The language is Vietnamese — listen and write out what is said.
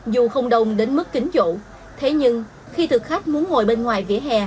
dù không đông đến mức kính dỗ thế nhưng khi thực khách muốn ngồi bên ngoài vỉa hè